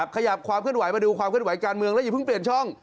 ขยับความเคลื่อนไหวมาดูความเคลื่อนไหวการเมืองแล้วอย่าเพิ่งเปลี่ยนช่อง